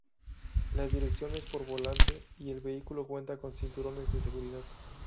La dirección es por volante y el vehículo cuenta con cinturones de seguridad.